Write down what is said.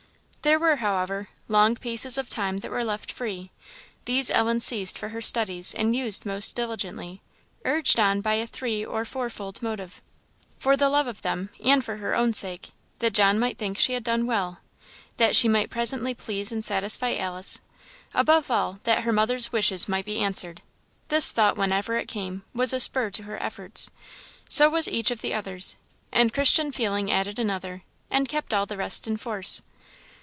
There were, however, long pieces of time that were left free these Ellen seized for her studies and used most diligently; urged on by a three or four fold motive; for the love of them, and for her own sake, that John might think she had done well that she might presently please and satisfy Alice above all, that her mother's wishes might be answered. This thought, whenever it came, was a spur to her efforts so was each of the others; and Christian feeling added another, and kept all the rest in force.